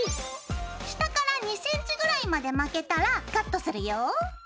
下から２ｃｍぐらいまで巻けたらカットするよ。